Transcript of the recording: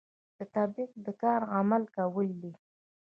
تطبیق د کار عملي کول دي